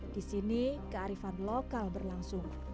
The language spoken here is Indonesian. di sini kearifan lokal berlangsung